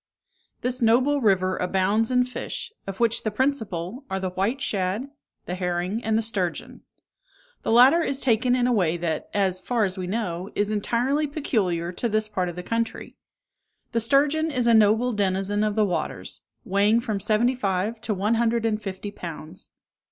This noble river abounds in fish, of which the principal are the white shad, the herring, and the sturgeon. The latter is taken in a way that, as far as we know, is entirely peculiar to this part of the country. The sturgeon is a noble denizen of the waters, weighing from seventy five to one hundred and fifty pounds.